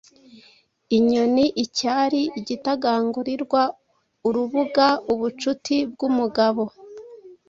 Inyoni icyari, igitagangurirwa urubuga, ubucuti bwumugabo